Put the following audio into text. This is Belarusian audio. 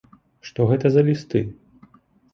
Што гэта за лісты?